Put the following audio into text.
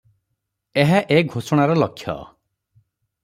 ଏହା ଏ ଘୋଷଣାର ଲକ୍ଷ୍ୟ ।